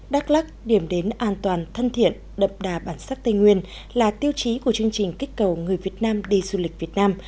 đắk lắc điểm đến an toàn thân thiện đậm đà bản sắc tây nguyên là tiêu chí của chương trình kích cầu người việt nam đi du lịch việt nam